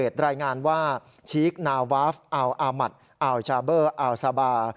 ชิคนาวาฟอาวอามัติอาวจาเบอร์อาวซาบา